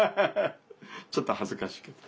ちょっと恥ずかしいけど。